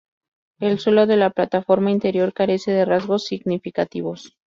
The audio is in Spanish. El suelo de la plataforma interior carece de rasgos significativos.